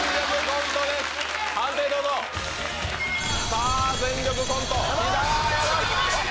さあ全力コントきた！